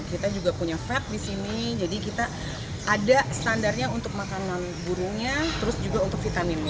kita juga punya flat di sini jadi kita ada standarnya untuk makanan burungnya terus juga untuk vitaminnya